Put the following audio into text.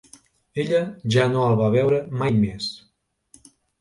Ella ja no el va veure mai més.